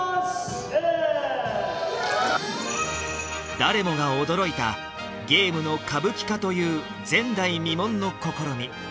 誰もが驚いたゲームの歌舞伎化という前代未聞の試み